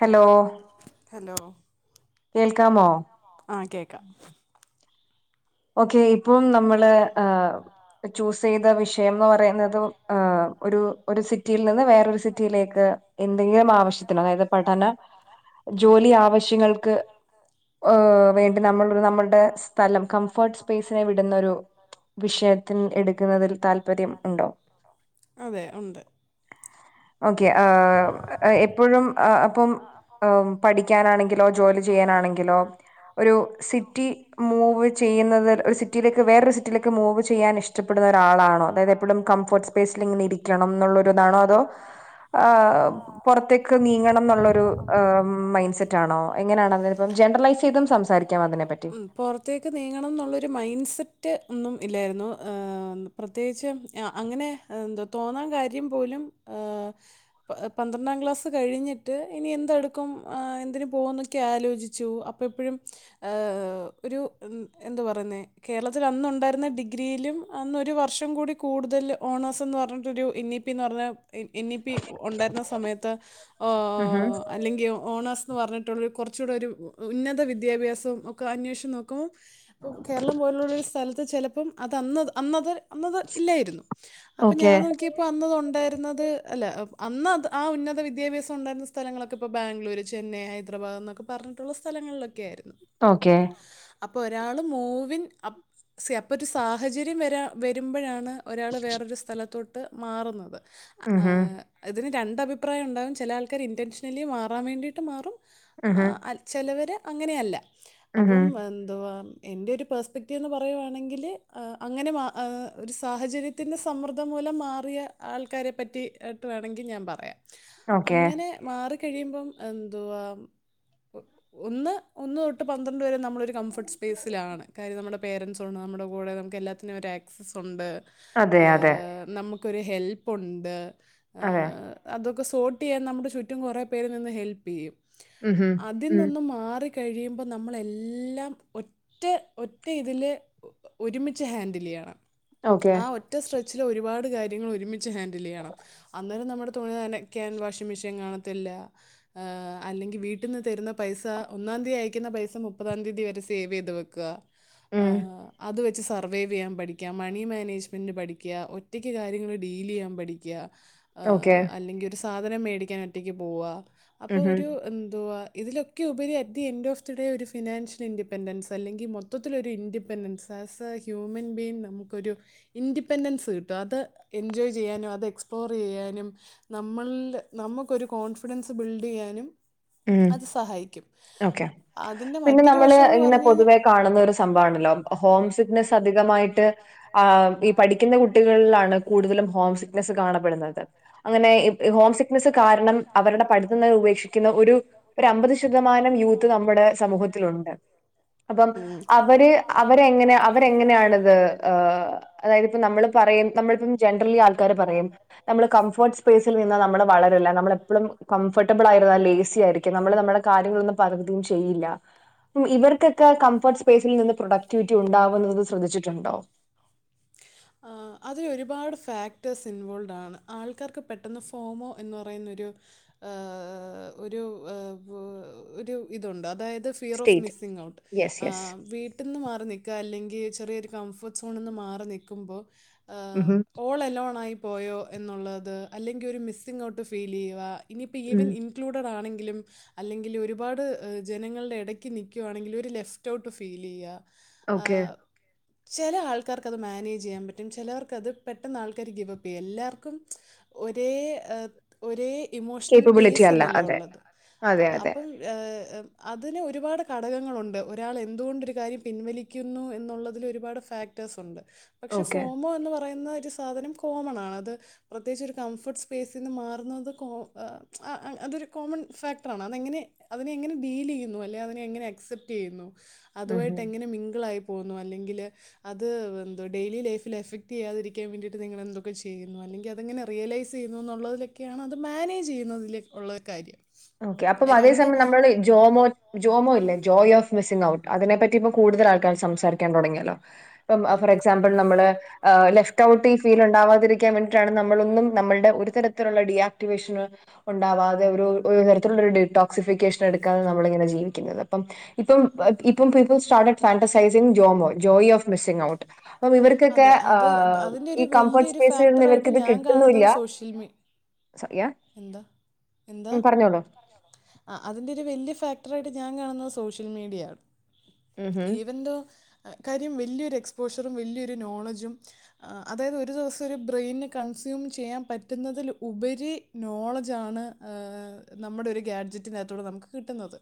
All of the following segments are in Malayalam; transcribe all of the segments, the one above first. ഹലോ കേൾക്കാമോ? ആഹ് കേക്കാ. ഓക്കെ ഇപ്പം നമ്മള് ആഹ്. ചൂസ്ചെയ്ത വിഷയംന്ന് പറയുന്നത് ആഹ് ഒരു ഒരു സിറ്റിയിൽനിന്ന് വേറൊരു സിറ്റിയിലേക്ക് എന്തെങ്കിലും ആവശ്യത്തിന് അതായത് പഠന ജോലി ആവശ്യങ്ങൾക്ക് ആഹ് വേണ്ടി നമ്മളോരു നമ്മൾടെ സ്ഥലം കംഫോർട്ട്സ്‌പെയ്‌സിനെ വിട്ന്നൊരു വിഷയ ത്തിൻ എടുക്കുന്നതിൽ താല്പര്യം ഉണ്ടോ? ഓക്കെ എപ്പോഴും അപ്പം പഠിക്കാനാണെങ്കിലൊ ജോലി ചെയ്യാനാണെങ്കിലൊ ഒരു സിറ്റി മൂവ് ചെയ്യുന്നത് ഒരു സിറ്റിയിലേക്ക് വേറൊരു സിറ്റിയിലേക്ക് മൂവ് ചെയ്യാൻ ഇഷ്ടപ്പെടുന്ന ഒരാളാ ണോ അതായത് എപ്പളും കംഫർട്ട് സ്പേസിൽ ഇങ്ങനെ ഇരി ക്കണംന്നുള്ളൊരിതാണൊ അതൊ ആഹ് പൊറത്തേക്ക് നീങ്ങണംന്നുള്ളൊരു മൈൻഡ്സെറ്റാണൊ എങ്ങനെയാണത്പ്പം ജൻറലൈസൈയ്തും സംസാരി ക്കാം അതിനെപ്പറ്റി ഉം പൊറത്തേക്ക് നീങ്ങണം ന്നുള്ളൊരു മൈൻഡ്സെറ്റ് ഒന്നും ഇല്ലായിരുന്നു പ്രത്യേകിച്ച് അങ്ങനെ ന്ത് തോന്നാൻ കാര്യം പോലും ഏഹ് പന്ത്രണ്ടാം ക്ലാസ്സ് കഴിഞ്ഞിട്ട് ഇനി എന്തെടുക്കും എന്തിന് പോകൂ ന്നൊക്കെ ആലോചിച്ചു അ പ്പൊ എപ്പഴും ഏഹ് ഒരു എന്താ പറയുന്നെ - കേരളത്തിൽ അന്നുണ്ടായിരുന്ന ഡിഗ്രിയിലും അന്ന് ഒരു വർഷം കൂടി കൂടുതൽ ഓണേഴ്സ് എന്ന് പറഞ്ഞിട്ടൊരു ഇനി പ്പിന്ന് പറഞ്ഞ ഇനിപി ഒണ്ടായിരുന്ന സമയത്ത് അല്ലെങ്കി ഓണേഴ്സ്ന്ന് പറഞ്ഞിട്ടുള്ളൊരു കൊറചൂടെ ഒരു ഉന്നത വിദ്യാഭ്യാസവും ഒക്ക അന്വേഷണൊക്കോം അപ്പം കേരളം പോലുള്ള ഒരു സ്ഥലത്ത് ചെലപ്പം അത് അന്ന അന്നത് അന്നത് ഇല്ലായിരുന്നു അപ്പം ഞാൻ നോക്കിയപ്പൊ അന്ന്അതൊ ണ്ടാരുന്നത് അല്ല അന്ന് അത് ആഹ് ഉന്നത വിദ്യാഭ്യാസം ഒണ്ടായിരുന്ന സ്ഥലങ്ങളൊക്കെ ഇപ്പൊ ബാംഗ്ലൂര് ചെന്നൈ ഹൈദ്രബാദ് എന്നൊക്കെ പറഞ്ഞിട്ടുള്ള സ്ഥലങ്ങളിലൊ ക്ക്യാരുന്നു ഓക്കേ അപ്പൊരാള് മൂവിൻ അപ് സി അപ്പൊ ഒരു സാഹചര്യം വരാ വരുമ്പൊഴാണ് ഒരാള് വേറൊരു സ്ഥലത്തോട്ട് മാറുന്നത് അ് ആഹ് ഇതിന് രണ്ടഭിപ്രായം ഒണ്ടാവും ചെല ആൾക്കാര് ഇൻറ്റൻഷണലി മാറാൻ വേണ്ടിയിട്ട് മാറും ആഹ് അല് ചെലവര് അങ്ങനെയല്ല അപ്പം ന്തുവാ എൻ്റെ ഒരു പെർസ്പെക്റ്റീവ്ന്ന് പറയുവാണെങ്കില് അങ്ങനെ ആഹ് ഒരു സാഹചര്യ ത്തില് സമ്മൃദ്ദം മൂലം മാറിയ ആൾക്കാരെ പറ്റി ട്ട് വേണങ്കി ഞാൻ പറയാം അങ്ങനെ മാറിക്കഴിയുമ്പം എന്തുവാ ഒ ഒന്ന് ഒന്ന്തൊട്ട് പന്ത്രണ്ട് വരെ നമ്മള്- ഒരു കംഫർട്ട് സ്പേസിലാണ് കാര്യം നമ്മുടെ പേരൻ്റ്സ് ഉണ്ട് നമ്മുടെ കൂടെ നമുക്ക് എല്ലാത്തിനും ഒരു ആക്സസ്സ് ഒണ്ട് അതെയതെ നമ്മുക്കൊരു ഹെൽപ്പുണ്ട് അതെയാ അതൊക്കെ സോട്ടെയ്യാൻ നമ്മുടെ ചുറ്റും കൊറേ പേര് നിന്ന് ഹെൽപെയ്യും അതിൽ നിന്നും മാറി കഴിയുമ്പൊ നമ്മളെല്ലാം ഒറ്റ ഒറ്റഇതില് ഒരുമിച്ച് ഹാന്റിലെയ്യണം ആഹ് ഒറ്റ സ്ട്രെച്ചില് ഒരുപാട് കാര്യങ്ങള് ഒരുമിച്ച് ഹാന്റിലെയ്യണം- അന്നേരം നമ്മുടെ തുണി നനക്കാൻ വാഷിംഗ് മെഷ്യൻ കാണത്തില്ല- ആഹ് അല്ലെങ്കി വീട്ടിന്ന് തരുന്ന പൈസ ഒന്നാന്തി അയക്കുന്ന പൈസ മുപ്പതാന്തിയതി വരെ സേവെയ്ത് വെക്ക- ആഹ് അത് വെ - ച്ച് സർവ്വേവെയ്യാൻ പഠിക്ക്യ മണി മാനേജ്മെന്റ് പഠിക്ക്യ ഒറ്റക്ക് കാര്യങ്ങള് ഡീലെയ്യാൻ പഠിക്ക്യ - ആഹ് അല്ലെങ്കി ഒരു സാധനം മേടിക്കാൻ ഒറ്റക്ക് പോവ്വാ അപ്പോൾ ഒരു ന്തുവാ ഇതില് ക്കു ഉപരി എത്തി എൻറ്റോഫ് ട്യൂ ഡേ ഒരു ഫിനാൻഷ്യൽ ഇന്റി പെന്റൻസ് അല്ലെങ്കി മൊത്തത്തിലൊരു independence as a human being നമുക്കൊരു- ഇൻഡിപെന്റൻസ് കിട്ടും അത് എൻജോയ് ചെയ്യാനൊ അത് എക്സ്പ്ലോ റെയ്യാനും നമ്മളില് നമ്മക്കൊരു കോൺഫിഡൻസ് ബിൽഡെയ്യാനും അത് സഹായിക്കും അതിന്റെ മറ്റൊരു വശോന്ന് പറഞ്ഞഴിഞ്ഞാ കാണുന്ന ഒരു സംഭവൊണ്ടല്ലൊ ഹോം സിക്നെസ് അധികമായിട്ട് ആഹ് ഈ പഠിക്കുന്ന കുട്ടികളിലാണ് കൂടുതലും ഹോം സിക്നെസ്സ് കാണപ്പെടുന്നത് അങ്ങനെ ഈ ഹോംസിക്നെസ്സ് കാരണം അവരുടെ പഠിത്തം തന്ന് ഉപേക്ഷി കുന്ന ഒരു ഒരഅമ്പത് ശതമാനം യൂത്ത് നമ്മുടെ സമൂഹത്തിൽലുണ്ട് അപ്പം അവര് അവരെങ്ങനെ അവരെങ്ങനെയാണത് ഏഹ് അതായത് ഇപ്പം നമ്മള് പറയും നമ്മളിപ്പം ജൻട്രലി ആൾക്കാര് പറയും നമ്മള് കംഫോർട്ട് സ്പേസിൽ നിന്ന നമ്മള് വളരില്ല നമ്മള് എപ്പോഴും കംഫർട്ട് വാ ലേസി ആയിരിക്കും. നമ്മള് നമ്മളെ കാര്യങ്ങളൊന്നും പക്തിം ചെയ്യില്ല. ഇവർക്കൊക്കെ കംഫർട്ട് സ്പേസിൽ നിന്ന് പ്രൊഡക്ടിവിറ്റി ഉണ്ടാവുന്ന് ശ്രദ്ധിച്ചിട്ടുണ്ടോ [unintelligible] ആഹ് അത് ഒരുപാട് ഫാക്ടേഴ്സ് ഇൻവോൾഡ് ആണ് ആൾക്കാർക്ക് പെട്ടെന്ന് ഫോമോ എന്ന് പറയുന്നൊരു ആഹ് ഒരു ഹ് ഒരു ഇതുണ്ട് അതായത് ഫിയറോഓഫ് മിസ്സിംഗ് ഔട്ട് ആഹ് വീട്ടിന്ന് മാറി നിക്ക അല്ലെങ്കി ചെറിയൊരു കംഫോർട്ട് സോണിൽ നിന്ന് മാ നിക്ക്മ്പോ ആഹ് ഓൾഎലോണായി പോയോ എന്നുള്ളത് അല്ലെങ്കി ഒരു മിസ്സിംഗ് ഔട്ട് ഫീൽ ചെയ്യുക ഇനിയിപ്പോ ഈവൻ ഇൻ ക്ലൂഡറാണെങ്കിലും അല്ലെങ്കിലും ഒരുപാട് ജനങ്ങളുടെ ഇടയ്ക്ക് നിൽക്കുവാണെങ്കിലും ഒരു ലെഫ്റ്റ് ഔട്ട് ഫീൽ ചെയ്യുക ആഹ് ചെലആൾക്കാർക്ക് അത് മാനേജ് ചെയ്യാൻ പറ്റും ചിലർക്ക് അത് പെട്ടന്ന് ആൾക്കാര് ഗിവപ്പ് ചെയ്യും എല്ലാർക്കും ഒരേ ഹ് ഒരേ ഇമോഷണൽ പേസ് അല്ലല്ലോ ഉള്ളത് അപ്പം ഹ് അതിന് ഒരുപാട് ഘടകങ്ങളുണ്ട് ഒരാൾ എന്തുകൊണ്ടൊരു കാര്യം പിൻവലിക്ക ക്കുന്നു എന്നുള്ളതില് ഒരുപാട് ഫാക്ടേഴ്‌സ് ഉണ്ട് പക്ഷെ ഫോമോ എന്ന് പറയുന്ന ജസ് സാധനം കോമണാണത് പ്രത്യേകിച്ച് ഒരു കംഫോർട്ട് സ്പേസിൽ നിന്ന് മാറുന്നത് കോ ആഹ് ആ അതൊരു കോമൺ ഫാക്ടറാണ് അതെങ്ങനെ അവനെ എങ്ങനെ ഡീൽ ചെയ്യുന്നു അല്ലെ അവനെ എങ്ങനെ അക്സെപ്റ്റ് ചെയ്യുന്നു അതുവായിട്ട് എങ്ങനെ മിംഗ്ളായി പോകുന്നു അല്ലെങ്കിൽ അത് ഡെയിലി ലൈഫിൽ എഫക്റ്റ് ചെയ്യാതിരിക്കാൻ വേണ്ടിയിട്ട് നിങ്ങളെ എന്തൊക്കെ ചെയ്യുന്നു അല്ലെങ്കിൽ അതങ്ങനെ റിയലൈസ് ചെയ്യുന്നു എന്നുള്ളതിലൊ ഒക്കെയാണ് അത് മാനേജ് ചെയ്യുന്നതിലേ ഉള്ള കാര്യം ഓക്കെ അപ്പം അതേസമയം നമ്മള് ജോമോ ജോമോ ഇല്ലേ ജോയ് ഓഫ് മിസ്സി് ഔട്ട് അതിനെപ്പറ്റി ഇപ്പൊ കൂടുതൽ ആൾക്കാർ സംസാരിക്കാൻ തുടങ്ങിയാലോ ഇപ്പം ആ ഫോർ എക്സാമ്പിൾ നമ്മള് ലെഫ്റ്റഔട്ടി ഫീൽ ഉണ്ടാവാതിരിക്കാൻ വേണ്ടിയിട്ടാണ് നമ്മളൊന്നും നമ്മളുടെ ഒരു തരത്തിലുള്ള ഡി ആക്ടിവേഷന് ഉണ്ടാവാതെ ഒരു ഒരു തരത്തിലുള്ളൊരു ഡിടോക്സിഫിക്കേഷൻ എടുക്കാാണ് നമ്മളിങ്ങനെ ജീവിക്കുന്നത് അപ്പം ഇപ്പം ഇപ്പം people started fantasizing JOMO joy of missing out അപ്പം ഇവക്ക് ക്കെ കെ ആഹ് ഈ കംഫോർട്ട് സ്പേസിൽ നിന്ന് ഇവർക്ക് ഇത് കിട്ടുന്നുല്ല [unintelligible] എന്ത എന്താ? ആഹ് അതിന്റെ ഒരു വല്ല്യ ഫാക്ടറ് ആയിട്ട് ഞാൻ കാണുന്നത് സോഷ്യൽ മീഡിയാണ് ഈവൻൻ്റോ കാര്യം വല്ല്യരു എക്സ്പോഷറും വല്ല്യരു നോളജും അതായത് ഒരു ദിവസം ഒരു ബ്രെയിന് കൺസ്യൂം ചെയ്യാൻ പറ്റുന്നതിൽ ഉപരി നോളജ് ആണ് നമ്മുടെ ഒരു ഗാഡ്ജറ്റിനകത്തോടെ നമുക്ക് കിട്ടുന്നത്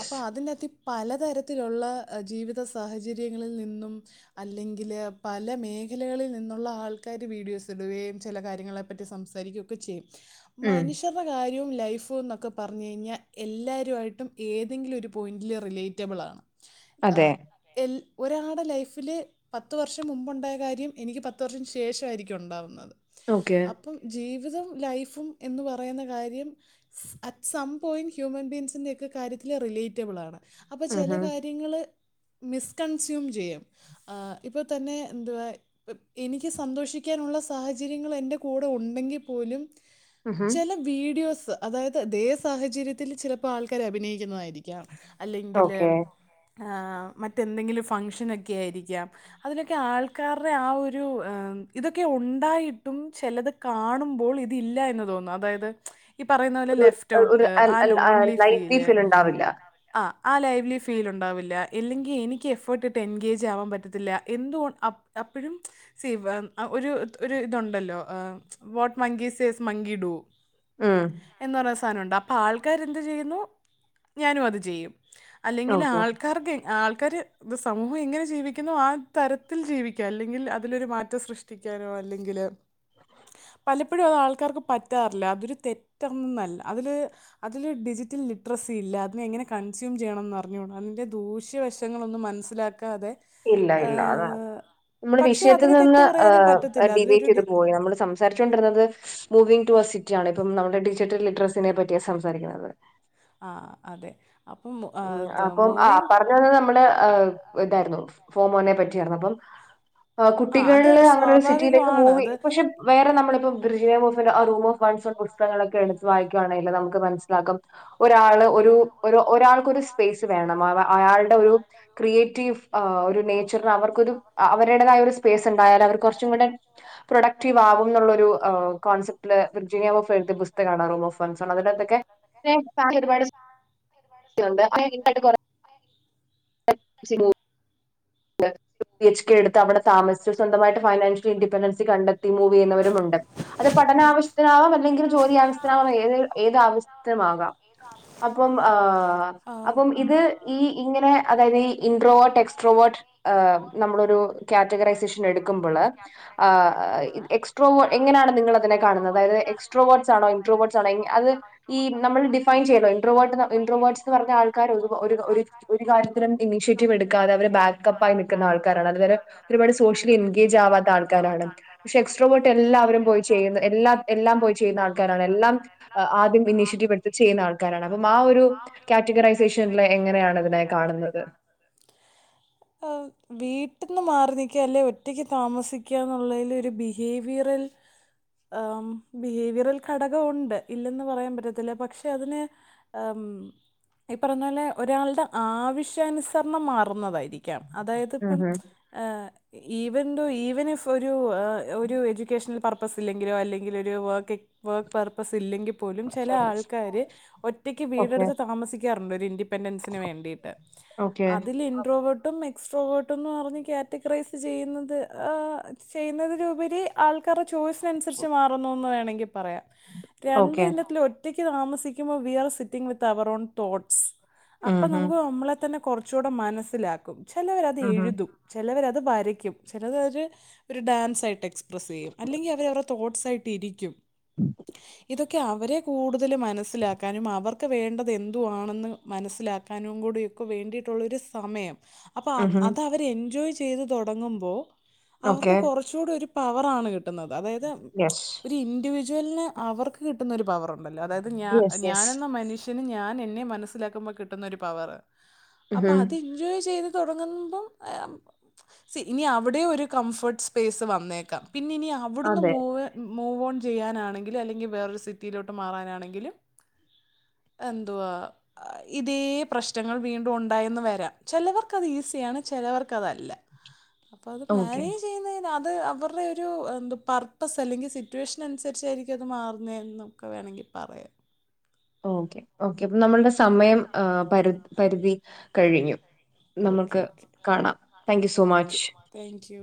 അപ്പൊ അതിനത്തി പലതരത്തിലുള്ള ജീവിത സാഹചര്യങ്ങളിൽ നിന്നും അല്ലെങ്കിൽ പല മേഖലകളിൽ നിന്നുള്ള ആൾക്കാര് വീഡിയോസ് ഇടുകയും ഈ ചിലകാര്യങ്ങളെ പറ്റി സംസാരിക്കയൊക്കെ ചെയ്യും മനുഷ്യൻ ച കാര്യവും ലൈഫും എന്നൊക്കെ പറഞ്ഞ് കഴിഞ്ഞാൽ എല്ലാരുവായിട്ടും ഏതെങ്കിലും ഒരു പോയിന്റില് റിലേറ്റബിള ആണ് ആഹ് എല് ഒരാടെ ലൈഫില് പത്ത് വർഷം മുമ്പുണ്ടായ കാര്യം എനിക്ക് പത്ത് വർഷം ശേഷമായിരിക്കും ഉണ്ടാവുന്നത്. അപ്പം ജീവിതവും ലൈഫും എന്ന് പറയുന്ന കാര്യം അറ്റ് സം പോയിന്റ് ഹ്യൂമൻ ബീങ്സിന്റെ ഒക്കെ കാര്യത്തില് റിലേറ്റബിള് ആണ്. അപ്പ ചെല കാര്യങ്ങള് മിസ്കൺസ്യൂം ചെയ്യും. ആഹ്, ഇപ്പ തന്നെ എന്തുവാ എനിക്ക് സന്തോഷിക്കാനുള്ള സാഹചര്യങ്ങള് എന്റെ കൂടെ ഉണ്ടെങ്കിൽ പോലും ചെല വീഡിയോസ് അതായത് അതേ സാഹചര്യത്തില് ചിലപ്പ ആൾക്കാര് അഭിനയിക്കുന്നതായിരി ക്കാം, അല്ലെങ്കില് ഏഹ് മറ്റെന്തെങ്കിലും ഫംഗഷനൊക്കെ ആയിരിക്കാം അതിലൊക്കെ ആൾക്കാര്ടെ ആ ഒരു ആം ഇതൊക്കെ ഉണ്ടായിട്ടും ചെലത് കാണുമ്പോൾ ഇതി ഇല്ല എന്ന് തോന്നു, അതായത് ഈ പറയുന്ന പോലെ ലെഫ്റ്റ് ഔട്ട് ആ ലോൺലി ഫീല് ആഹ്, ആ ലൈവിലി ഫീൽ ഉണ്ടാവില്ല. എല്ലെങ്കിൽ എനിക്ക് എഫേർട്ട് ഇട്ട് എൻഗേജ് ആവാൻ പറ്റത്തില്ല എന്തുകൊ അ അപ്പഴും സീ വേം ഒരു ഒരു ഇതുണ്ടല്ലോ ഏഹ് what monkeys says monkey do എന്ന് പറഞ്ഞ സ ത്താനണ്ട് അപ്പ ആൾക്കാര് എന്ത് ചെയ്യുന്നു ഞാനും അത് ചെയ്യും. അല്ലെങ്കില് ആൾക്കാർക്ക് ആൾക്കാര് ഇന്ന് സമൂഹം എങ്ങനെ ജീവിക്കുന്നോ ആ തരത്തിൽ ജീവിക്കുക അല്ലെങ്കിൽ അതിലൊരു മാറ്റം സൃഷ്ടിക്കാനോ അല്ലെങ്കില് പലപ്പൊഴു അത് ആൾക്കാർക്ക് പറ്റാറില്ല, അതൊരു തെറ്റൊന്നന്നല്ല അതില് അതില് ഡിജിറ്റൽ ലിറ്ററസി ഇല്ല, അതിനെ എങ്ങനെ കൺസ്യൂം ചെയ്യണംന്ന് അറിഞ്ഞൂട അതിന്റെ ദൂഷ്യവശങ്ങളൊന്ന് മനസ്സിലാക്ക ക്കാതെ ഇല്ല ഇല്ല അതാ, നമ്മള് വിഷയത്തിൽ നിന്ന് ഏഹ് ഡീബേറ്റ് ചെയ്ത് പോയോ നമ്മള് സം സാരിച്ചോണ്ടിരുന്നത് മൂവിങ്ങ് ടു അർ സിറ്റിയാണ്, ഇപ്പം നമ്മുടെ ഡിജിറ്റൽ ലിറ്ററസിനെ പറ്റിയാ സംസാരിക്കുന്നത്. ആഹ്, അതെ. അപ്പം മു ഉം അപ്പം ആ പറഞ്ഞ് വന്നത് നമ്മളെ ആഹ് ഇതായിരുന്നു ഫോ മോനെ പറ്റിയാര്ന്നു, അപ്പം ആഹ്, കുട്ടികളില് അങ്ങനെ ഒരു സിറ്റിയിലേക്ക് മൂവ് ചെയ്യും പക്ഷെ വേറെ നമ്മളിപ്പ [unintelligible] [unintelligible] റൂം ഓഫ് [unintelligible] പുസ്തകങ്ങളൊക്കെ എടുത്ത് വായിക്കുയാണേല് നമുക്ക് മനസ്സിലാക്കും ഒരാള് ഒരു ഒരു ഒരാൾ ക്ക് ഒരു സ്പേസ് വേണം, അവ അയാൾടെ ഒരു ക്രിയേറ്റീവ് ആഹ് ഒരു നേച്ചറിന് അവർ ക്കൊരു അവര്ടേതായ ഒരു സ്പേസ് ഇണ്ടായാൽ അവര് കൊറച്ചും കൂടെ പ്രൊഡക്ടീവ് ആകുംന്നുള്ളൊരു ഏഹ് കോൺസെപ് വിർജിനിയ വൂഫ് എഴുതിയ പുസ്തകാണ് റൂം ഓഫ്‌ വൺസ് അതിനാത്തൊക്കെ സെയിം [unintelligible] ഒരുപാട് ഒണ്ട് [unintelligible] ഡീപ് ആയിട്ട് കൊറേ [unintelligible] [inaudible] പി എച്ച് ഡി എടുത്ത് അവിടെ താമസിച്ചു സ്വന്തമായിട്ട് ഫൈനാൻഷ്യൽ ഇൻഡിപെൻഡൻസി കണ്ടെത്തി മൂവ് ചെയ്യുന്നവരും ഉണ്ട്. അത് പഠനവശ്യത്തിനാവാം അല്ലെങ്കിൽ ജോലി ആവശ്യത്തിനാവാം ഏത് ഏത് ആവശ്യത്തിനു മാകാം. അപ്പം ആഹ് അപ്പം ഇത് ഈ ഇങ്ങനെ അതായത് ഇൻട്രോവോട്ട് എക്സ്ട്രോവോട്ട് ഏഹ് നമ്മളൊരു കാറ്റഗറൈസേഷൻ എടുക്കുമ്പള് ആഹ് എക്സ്ട്രോവോ എങ്ങനെയാണ് നിങ്ങളതിനെ കാണുന്നത് അതായത് എക്സ് ട്രോവേഡ്സാണോ ഇൻഡ്രോവേട്സ് ആണോ അത് ഈ നമ്മള് ഡിഫൈൻ ചെയ്തോ ഇൻഡ്രോവേർട്ട്ന്ന ഇൻഡ്രോവേർഡ്സ് ന്ന് പറഞ്ഞ ആൾക്കാര് ഒരു ഒര് ഒര് കാര്യ ത്തിനും ഇനിഷിയേറ്റീവ് എടുക്കാതെ അവര് ബാക്ക്അപ്പ് ആയി നിക്കുന്ന ആൾക്കാരാണ് അതിനെ ഒരുപാട് സോഷ്യൽ ഇൻഗേജ് ആവാത്ത ആൾക്കാരാണ്. പക്ഷെ, എക്സ്ട്രോവേട്ട് എല്ലാവരും പോയി ചെയ്യുന്ന എല്ലാ എല്ലാം പോയി ചെയ്യുന്ന ആൾക്കാരാണ് എല്ലാം ആദ്യം ഇനിഷ്യേറ്റീവ് എടുത്ത് ചെയ്യുന്ന ആൾക്കാരാണ് അപ്പം ആ ഒരു ക്യാറ്റഗറൈസേഷനില് എങ്ങനെയാണ് ഇതിനെ കാണുന്ന്? ആ വീ [unintelligible] വിട്ടിൽ ന്ന് മാറി നിക്കുക. അല്ലെങ്കിൽ ഒറ്റയ്ക്ക് താമസിക്ക എന്നുള്ളതില് ഒരു ബിഹേവിയറൽ ആ, ബിഹേവിയറൽ ഘടകം ഒണ്ട്. ഇല്ലെന്ന് പറയാൻ പറ്റത്തില്ല. പക്ഷെ അതിനെ ഏ, ഈ പറഞ്ഞ പോലെ ഒരാളുടെ ആവശ്യാനുസരണം മാറുന്നതായിരിക്കാം. അതായത് ഇപ്പം ഈവൻദോ, ഈവൻ ഇഫ് ഒരു ഒരു എഡ്യൂക്കേഷണൽ പർപ്പസ് ഇല്ലെങ്കിലോ, അല്ലെങ്കില് ഒരു വർക്ക് വർക്ക് പർപ്പസ്, ഇല്ലെങ്കിൽ പോലും ചെല ആൾക്കാര് ഒറ്റയ്ക്ക് വീടെടുത്ത് താമസിക്കാറുണ്ട് ഒരു ഇന്തി ഇൻഡി പെൻഡെൻസിനു വേണ്ടിട്ട്, അതില് ഇൻഡ്രോവെർട്ടും എക്സ്ട്രോവെർട്ടും പറഞ് കാറ്റഗറൈസ് ചെയ്യുന്നത്, ചെയ്യുന്നതിലുപരി ആൾക്കാരെ ചോയ്സിനനുസരിച്ച് മാറുന്നുന്ന് വേണമെങ്കി പറയാം. രണ്ട് ഇനത്തില് ഒരു ഒറ്റക്ക് താമസിക്കുമ്പോ we are sitting with our own thoughts, അപ്പ നമുക്ക് നമ്മളെ തന്നെ കൊറച്ചുടെ മനസ്സിലാക്കും. ചെലവരത് എഴുതും, ചെലവരത് വരയ്ക്കും, ചെലര് ഒരു ഡാൻസ് ആയിട്ട് എക്സ്പ്രസ്സ് ചെയ്യും. അല്ലെങ്കി അവരവരുടെ തോട്ട്സ് ആയിട്ട് ഇരിക്കും. [inaudible] ഇതൊക്കെ അവരെ കൂടുതല് മനസ്സിലാക്കാനും അവർക്ക് വേണ്ടത് എന്തുവാണെന്ന് മനസ്സിലാക്കാനും കൂടിയൊക്കെ വേണ്ടിയിട്ടുള്ളൊരു സമയം. അപ്പ അത് അവര് എൻജോയ് ചെയ്ത് തൊടങ്ങുമ്പോ അവർക്ക് കൊറച്ചുകൂടി ഒരു പവർ ആണ്. കി കിട്ടുന്നത്. അതായത് ഒരു ഇൻഡിവിജ്വലിന് അവർക്ക് കിട്ടുന്ന ഒരു പവർ ഒണ്ട്. ഒണ്ടല്ലോ, അതായത് ഞ ഞാനെന്ന മനുഷ്യന് ഞാൻ എന്നെ മനസ്സിലാക്കുമ്പോൾ കിട്ടുന്ന ഒരു പവറ്. അപ്പൊ അത് എന്ജോയ് ചെയ്ത് തൊടങ്ങുമ്പം ഇനി അവിടെ ഒരു കംഫോർട്ട് സ്പേസ് വന്നേക്കാം. പിന്നെ ഇനി അവിടുന്ന് പോവേ മൂവ് ഓൺ ചെയ്യാനാണെങ്കിലും, അല്ലെങ്കിൽ വേറൊരു സിറ്റിയിലോട്ട് മാറാനാണെങ്കിലും എന്തുവാ? ഇതേ പ്രശ്നങ്ങൾ വീണ്ടും ഒണ്ടായെന്ന് വരാം. ചെലവർക്ക് അത് ഈസിയാണ്. ചെലവർക്ക് ചെലവർകതല്ല. അപ്പോ അത് മാനേജ് ചെയ്യുന്നേ അത് അവരുടെ ഒരു എന്ത്‌ പർപ്പസ്, അല്ലെങ്കിൽ സിറ്റുവേഷൻ അനുസരിച്ചായിരിക്കും അത് മാറുന്നെ എന്നും ഒക്കെ വേണമെങ്കി പറയാം. ഓക്കെ ഓക്കേ, അപ്പൊ നമ്മളുടെ സമയം പ പരിധി കഴിഞ്ഞു. നമുക്ക് കാണാം. Thank you so much. Thank you.